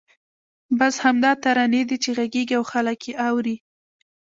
بس همدا ترانې دي چې غږېږي او خلک یې اوري.